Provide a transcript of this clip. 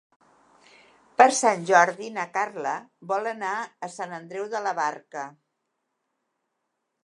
Per Sant Jordi na Carla vol anar a Sant Andreu de la Barca.